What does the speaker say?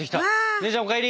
姉ちゃんお帰り！